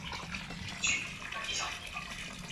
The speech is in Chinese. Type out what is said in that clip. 在瓦努阿图没有普遍禁止基于性取向的就业歧视。